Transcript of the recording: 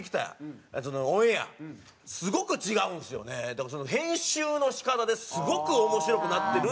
だから編集の仕方ですごく面白くなってるっていうのが。